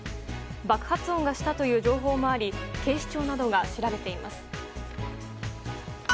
爆発音がしたという情報もあり警視庁などが調べています。